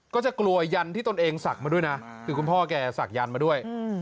ก็จะกลัวยันที่ตนเองศักดิ์มาด้วยนะคือคุณพ่อแกศักดันมาด้วย